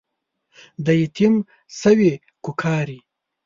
د يتيم سوې کوکارې